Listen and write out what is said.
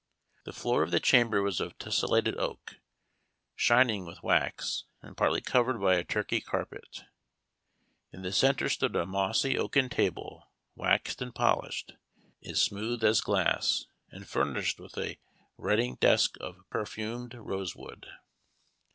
The floor of the chamber was of tesselated oak, shining with wax, and partly covered by a Turkey carpet. In the centre stood a massy oaken table, waxed and polished as smooth as glass, and furnished with a writing desk of perfumed rosewood.